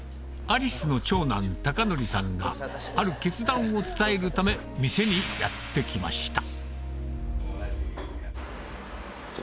「ありす」の長男孝法さんがある決断を伝えるため店にやって来ました